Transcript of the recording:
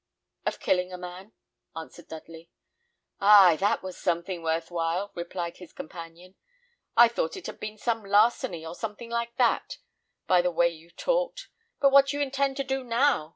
"Of killing a man," answered Dudley. "Ay, that was something worth while," replied his companion. "I thought it had been some larceny, or something like that, by the way you talked. But what do you intend to do now?